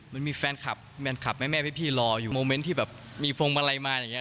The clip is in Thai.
มันมีแฟนคลับแม่วิ่งพี่รออยู่มมุเม้นท์ที่แบบมีพงมาลัยมาอย่างนี้